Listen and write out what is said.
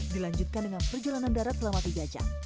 dilanjutkan dengan perjalanan darat selama tiga jam